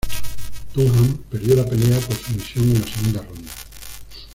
Dunham perdió la pelea por sumisión en la segunda ronda.